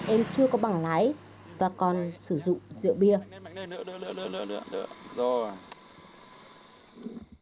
em chưa có bảng lái và còn sử dụng rượu bia